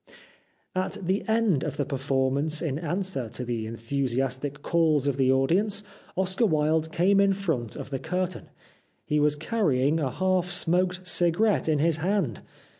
At the end of the performance in answer to the enthusiastic calls of the audience Oscar Wilde came in front of the curtain. He was carrying a half smoked cigarette in his hand.